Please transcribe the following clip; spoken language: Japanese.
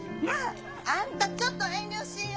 あんたちょっと遠慮しいや！